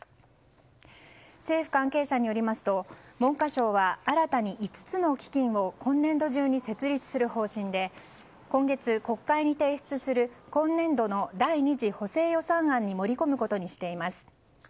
政府関係者によりますと文科省は新たに５つの基金を今年度中に設立する方針で今月国会に提出する今年度の第２次補正予算案に盛り込むことにしています。